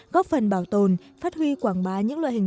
góp phần bảo tồn phát huy quảng bá những loại hình